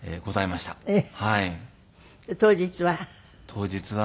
当日は？